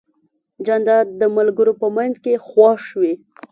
جانداد د ملګرو په منځ کې خوښ وي.